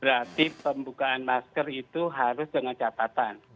berarti pembukaan masker itu harus dengan catatan